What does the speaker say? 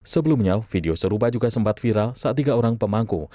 sebelumnya video serupa juga sempat viral saat tiga orang pemangku